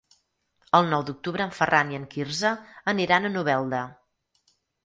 El nou d'octubre en Ferran i en Quirze aniran a Novelda.